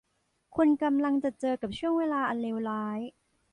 คุณกำลังจะเจอกับช่วงเวลาอันเลวร้าย